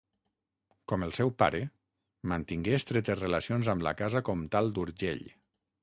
Com el seu pare, mantingué estretes relacions amb la casa comtal d'Urgell.